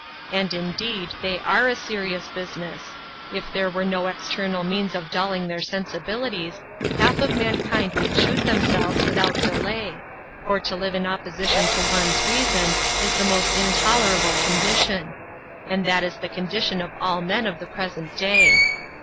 And indeed they are a serious business. If there were no external means of dulling their sensibilities, half of mankind would shoot themselves without delay, for to live in opposition to one's reason is the most intolerable condition. And that is the condition of all men of the present day.